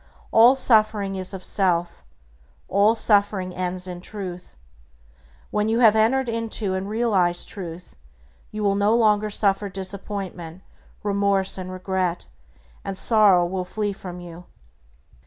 All suffering is of self. All suffering ends in Truth. When you have entered into and realized Truth, you will no longer suffer disappointment, remorse, and regret, and sorrow will flee from you.